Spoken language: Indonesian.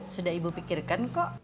sudah ibu pikirkan kok